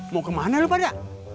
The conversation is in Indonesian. mau kemana lu pada